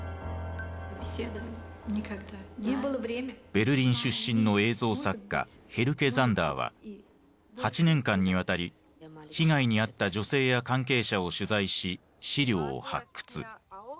ベルリン出身の映像作家ヘルケ・ザンダーは８年間にわたり被害に遭った女性や関係者を取材し資料を発掘。